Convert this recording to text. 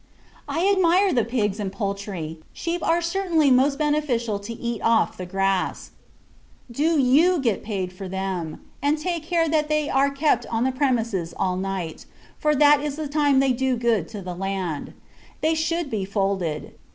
I admire the pigs and poultry. Sheep are certainly most beneficial to eat off the grass. Do you get paid for them; and take care that they are kept on the premises all night, for that is the time they do good to the land. They should be folded.